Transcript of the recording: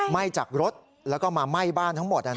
ไหม้จากรถแล้วก็มาไหม้บ้านทั้งหมด